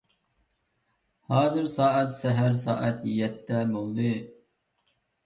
ھازىر سائەت سەھەر سائەت يەتتە بولدى.